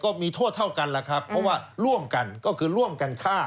ก็มีโทษเท่ากันแหละครับเพราะว่าร่วมกันก็คือร่วมกันฆ่า